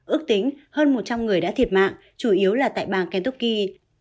ước tính hơn một trăm linh người đã thiệt mạng chủ yếu là tại bang kentoki